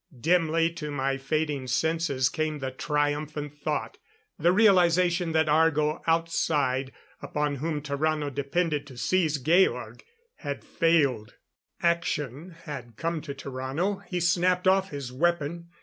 Dimly to my fading senses came the triumphant thought, the realization that Argo outside, upon whom Tarrano depended to seize Georg had failed. Action had come to Tarrano. He snapped off his weapon.